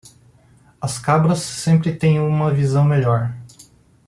As cabras sempre têm uma visão melhor.